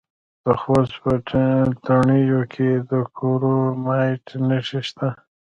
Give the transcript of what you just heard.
د خوست په تڼیو کې د کرومایټ نښې شته.